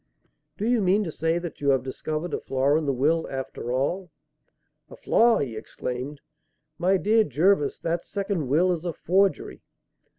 "Do you mean to say that you have discovered a flaw in the will, after all?" "A flaw!" he exclaimed. "My dear Jervis, that second will is a forgery."